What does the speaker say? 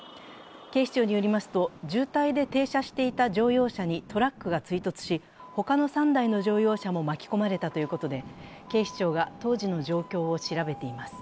警視庁によりますと、渋滞で停車していた乗用車にトラックが追突しほかの３台の乗用車も巻き込まれたということで、警視庁が当時の状況を調べています。